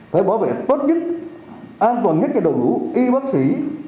phải bảo vệ tốt nhất an toàn nhất cho đội ngũ y bác sĩ